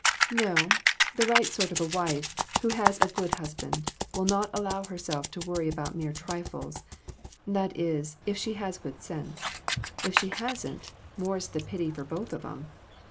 "No, the right sort of a wife, who has a good husband, will not allow herself to worry about mere trifles that is, if she has good sense; if she hasn't, more's the pity for both of 'em.